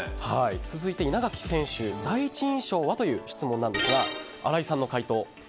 続いて稲垣選手第一印象は？という質問ですが新井さんの回答。